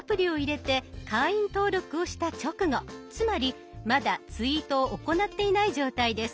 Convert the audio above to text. つまりまだツイートを行っていない状態です。